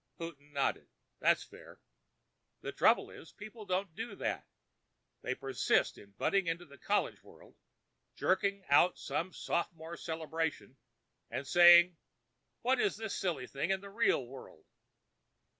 Houghton nodded. "That's fair." "The trouble is, people don't do that. They persist in butting into the college world, jerking out some sophomore celebration, and saying, 'What use is this silly thing in the real world?'"